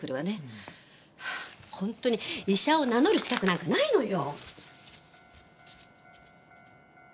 本当に医者を名乗る資格なんかないのよ！